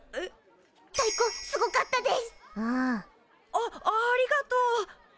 あっありがとう。